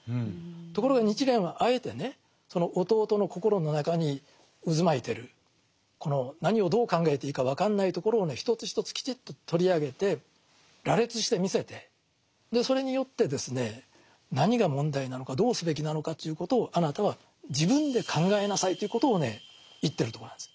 ところが日蓮はあえてねその弟の心の中に渦巻いてるこの何をどう考えていいか分かんないところをね一つ一つきちっと取り上げて羅列してみせてでそれによってですね何が問題なのかどうすべきなのかということをあなたは自分で考えなさいということをね言ってるとこなんです。